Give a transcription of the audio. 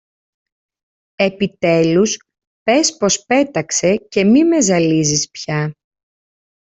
Επιτέλους πες πως πέταξε και μη με ζαλίζεις πια